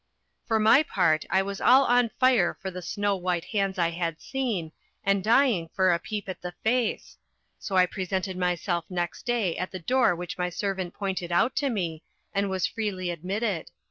For my part I was all on fire for the snow white hands I had seen, and dying for a peep at the face; so I presented myself next day at the door which my servant pointed out to me, and was freely admitted.